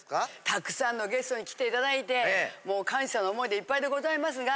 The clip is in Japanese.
たくさんのゲストに来て頂いてもう感謝の思いでいっぱいでございますが。